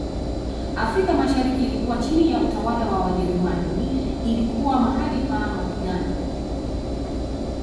Afrika mashariki ilikuwa chini ya utawala wa Wajerumani ilikuwa mahali pa mapigano